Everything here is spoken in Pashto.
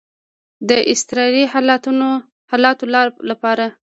د اضطراري حالاتو لپاره.